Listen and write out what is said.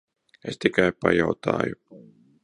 Es tikai pajautāju.